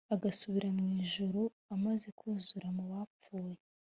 agasubira mu ijuru amaze kuzura mu bapfuye